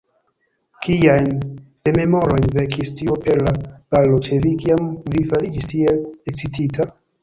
Kiajn rememorojn vekis tiu opera balo ĉe vi, kiam vi fariĝis tiel ekscitita?